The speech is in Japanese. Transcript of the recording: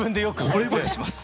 ほれぼれします！